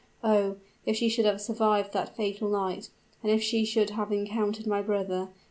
O! if she should have survived that fatal night and if she should have again encountered my brother!